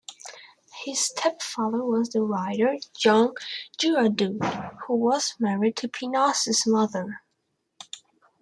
His stepfather was the writer Jean Giraudoux, who was married to Pineau's mother.